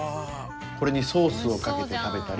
これにソースをかけて食べたり。